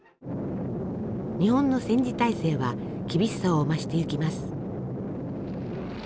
日本の戦時体制は厳しさを増していきます。